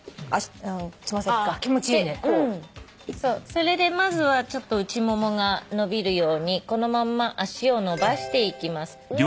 それでまずは内ももが伸びるようにこのまんま足を伸ばしていきます。